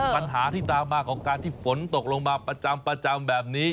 ปัญหาที่ตามมาของการที่ฝนตกลงมาประจำแบบนี้